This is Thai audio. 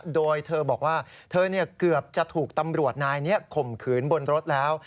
โดยเธอบอกว่าเธอเกือบจะถูกตำรวจนายนี้ข่มขืนบนรถแล้ว